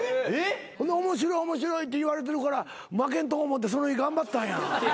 面白い面白いっていわれてるから負けんとこう思ってその日頑張ったんや。